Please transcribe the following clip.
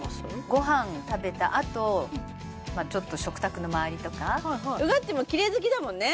ごはん食べたあとちょっと食卓の周りとかウガッティーもきれい好きだもんね